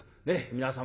皆様